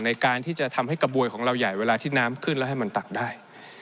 ในการที่จะทำให้กระบวยของเราใหญ่เวลาที่น้ำขึ้นแล้วให้มันตักได้